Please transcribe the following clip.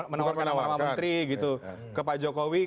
menawarkan nama nama menteri gitu ke pak jokowi